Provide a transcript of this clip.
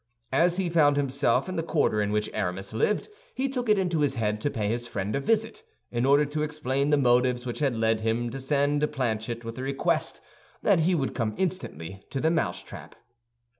As he found himself in the quarter in which Aramis lived, he took it into his head to pay his friend a visit in order to explain the motives which had led him to send Planchet with a request that he would come instantly to the mousetrap.